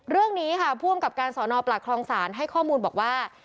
เรื่องนี้ค่ะผู้อำกับการสอนอปากคลองศาลให้ข้อมูลบอกว่า